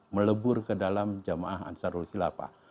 melebur ke dalam jamaah ansarul khilafah